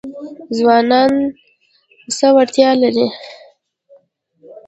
ځوانان څه وړتیا لري؟